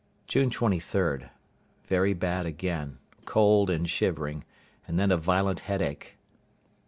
June 23.—Very bad again; cold and shivering, and then a violent headache.